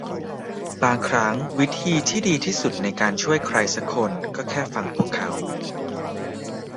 บางครั้งวิธีที่ดีที่สุดในการช่วยใครซักคนก็แค่ฟังพวกเขา